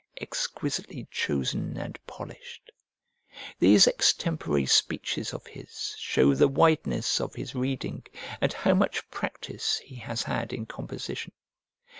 exquisitely chosen and polished. These extempore speeches of his show the wideness of his reading, and how much practice he has had in composition.